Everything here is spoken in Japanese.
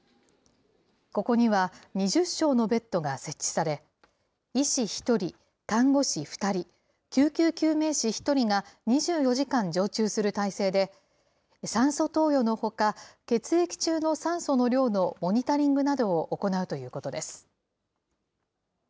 ここには２０床のベッドが設置され、医師１人、看護師２人、救急救命士１人が２４時間常駐する体制で、酸素投与のほか、血液中の酸素の量のモニタリングなどを行うということです。